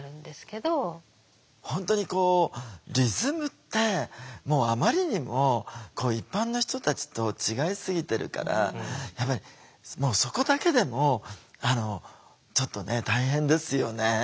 本当にこうリズムってあまりにも一般の人たちと違いすぎてるからやっぱりもうそこだけでもちょっとね大変ですよね。